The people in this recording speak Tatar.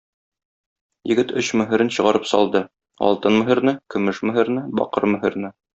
Егет өч мөһерен чыгарып салды: алтын мөһерне, көмеш мөһерне, бакыр мөһерне.